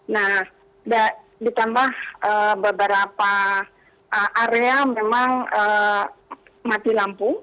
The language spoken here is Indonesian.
nah ditambah beberapa area memang mati lampu